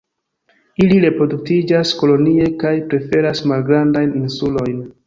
Ili reproduktiĝas kolonie kaj preferas malgrandajn insulojn.